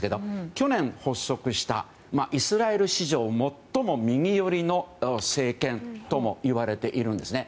去年発足したイスラエル史上最も右寄りの政権といわれているんですね。